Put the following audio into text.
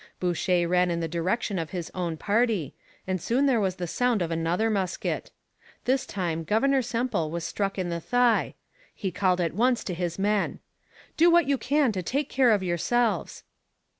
Boucher ran in the direction of his own party, and soon there was the sound of another musket. This time Governor Semple was struck in the thigh. He called at once to his men: 'Do what you can to take care of yourselves.'